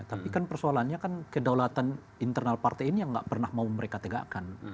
tapi kan persoalannya kan kedaulatan internal partai ini yang nggak pernah mau mereka tegakkan